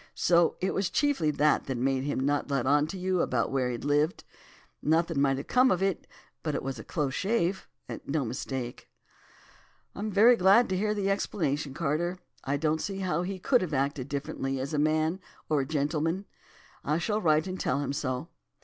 So it was chiefly that that made him not let on to you about where he'd lived. Nothing might have come of it; but it was a close shave, and no mistake.' "'I'm very glad to hear the explanation, Carter. I don't see how he could have acted differently, as a man or gentleman. I shall write and tell him so.